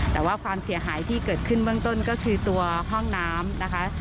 แต่ว่าความเสียหายที่เกิดขึ้นเบื้องต้นก็คือตัวห้องน้ำนะคะ